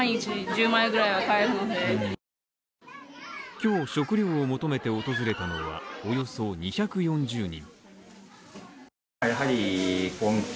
今日食料を求めて訪れたのはおよそ２４０人。